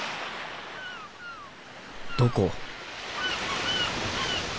どこ？